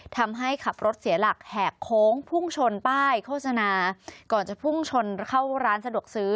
ทำให้ขับรถเสียหลักแหกโค้งพุ่งชนป้ายโฆษณาก่อนจะพุ่งชนเข้าร้านสะดวกซื้อ